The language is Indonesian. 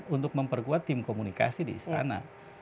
untuk memperkuat tim komunikasi di istana